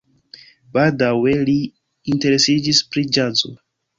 Baldaŭe li interesiĝis pri ĵazo.